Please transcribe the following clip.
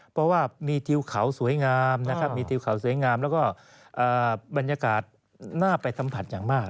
เพราะว่ามีทิวเขาสวยงามแล้วก็บรรยากาศน่าไปทัมผัสอย่างมาก